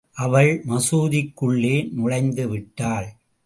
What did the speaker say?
அவள் மசூதிக்குள்ளே நுழைந்து விட்டாள்.